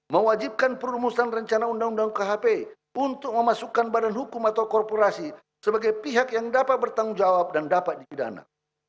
mewajibkan perumusan rencana undang undang khp untuk memasukkan badan hukum atau korporasi sebagai pihak yang dapat bertanggung jawab dan dapat dipidana